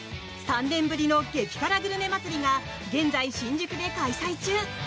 ３年ぶりの激辛グルメ祭りが現在、新宿で開催中。